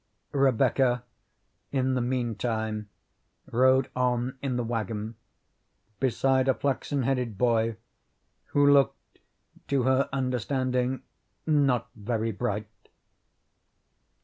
Rebecca in the meantime rode on in the wagon, beside a flaxen headed boy, who looked, to her understanding, not very bright.